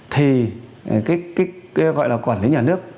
thì cái gọi là quản lý nhà nước